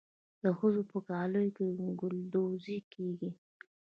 د ښځو په کالیو کې ګلدوزي کیږي.